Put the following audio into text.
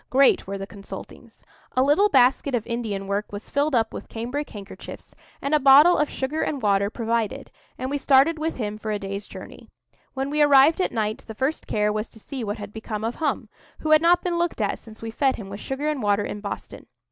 Great were the consultings. A little basket of Indian work was filled up with cambric handkerchiefs, and a bottle of sugar and water provided, and we started with him for a day's journey. When we arrived at night the first care was to see what had become of Hum, who had not been looked at since we fed him with sugar and water in Boston.